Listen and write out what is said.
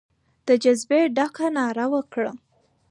د جذبې ډکه ناره وکړه.